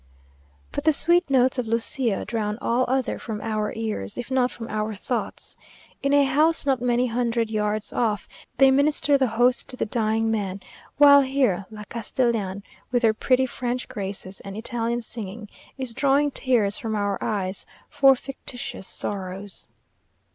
But the sweet notes of Lucia drown all other from our ears, if not from our thoughts. In a house not many hundred yards off, they Minister the host to the dying man, while here, La Castellan, with her pretty French graces and Italian singing, is drawing tears from our eyes for fictitious sorrows.